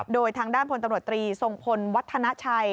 โดยทางด้านพลตำรวจตรีทรงพลวัฒนาชัย